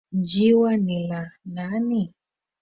Njiwa ni la nani.